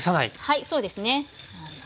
はいそうですね。